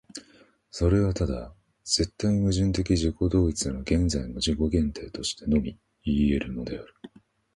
それはただ絶対矛盾的自己同一の現在の自己限定としてのみいい得るのである。